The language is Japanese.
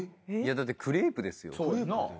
いやだってクレープですよ。